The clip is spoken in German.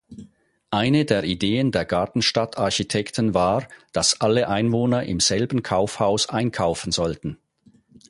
Eine der Ideen der Gartenstadt-Architekten war, dass alle Einwohner im selben Kaufhaus einkaufen sollten.